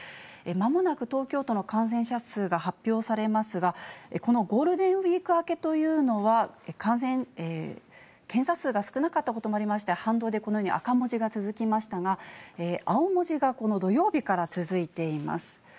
まもなく東京都の感染者数が発表されますが、このゴールデンウィーク明けというのは、検査数が少なかったこともありまして、反動でこのように赤文字が続きましたが、青文字がこの土曜日から続いています。